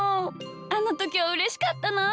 あのときはうれしかったなあ。